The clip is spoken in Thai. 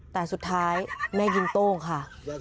แต่สุดท้ายแม่ยิงโต้งค่ะ